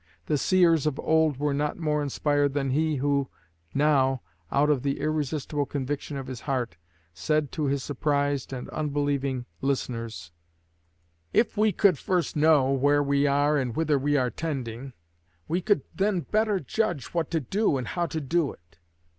The seers of old were not more inspired than he who now, out of the irresistible conviction of his heart, said to his surprised and unbelieving listeners: If we could first know where we are and whither we are tending, we could then better judge what to do and how to do it.